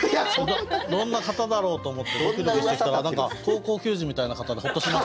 どんな方だろうと思ってドキドキしてたら何か高校球児みたいな方でホッとしました。